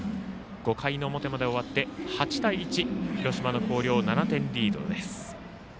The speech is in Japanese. ５回の表まで終わって８対１広島の広陵、７点リードです。